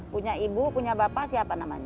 punya ibu punya bapak siapa namanya